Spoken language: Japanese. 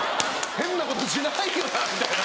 変なことしないよな？